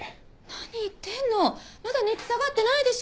何言ってんのまだ熱下がってないでしょ。